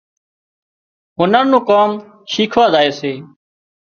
هنر نُون ڪام شيکوا زائي سي